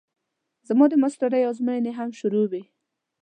زما د ماسټرۍ ازموينې هم شروع وې.